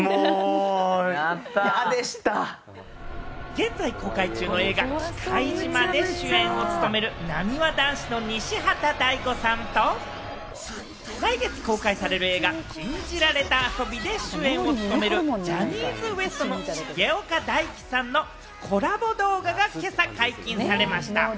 現在公開中の映画『忌怪島／きかいじま』で主演を務める、なにわ男子の西畑大吾さんと、来月公開される映画『禁じられた遊び』で主演を務めるジャニーズＷＥＳＴの重岡大毅さんのコラボ動画が今朝、解禁されました。